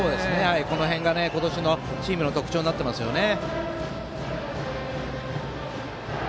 この辺が今年のチームの特徴になってますよね。